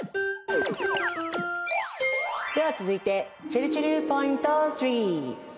では続いてちぇるちぇるポイント３。